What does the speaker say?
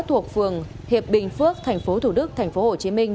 thuộc phường hiệp bình phước thành phố thủ đức thành phố hồ chí minh